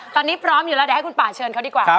ตอนนี้พร้อมอยู่แล้วเดี๋ยวให้คุณป่าเชิญเขาดีกว่า